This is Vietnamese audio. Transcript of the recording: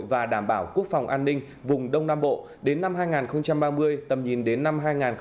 và đảm bảo quốc phòng an ninh vùng đông nam bộ đến năm hai nghìn ba mươi tầm nhìn đến năm hai nghìn bốn mươi năm